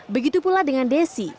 begitu pula dengan desi